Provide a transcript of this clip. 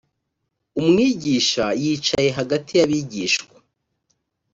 umwigisha yicaye hagati y abigishwa.